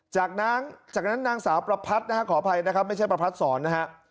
จากนั้นจากนั้นนางสาวประพัดนะฮะขออภัยนะครับไม่ใช่ประพัดสอนนะฮะ